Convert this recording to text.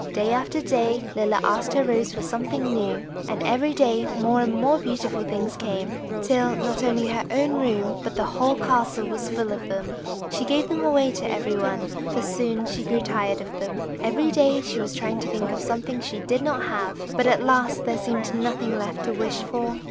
Day after day Lilla asked her rose for something new, and every day more and more beautiful things came, till not only her own room, but the whole castle was full of them. She gave them away to every one, for she soon grew tired of them. [Illustration: ON ONE OF THE FLOWERS WAS PERCHED A TINY FAIRY] Every day she was trying to think of something she did not have, but at last there seemed nothing left to wish for.